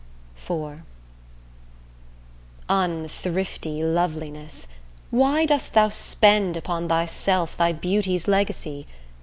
IV Unthrifty loveliness, why dost thou spend Upon thyself thy beauty's legacy?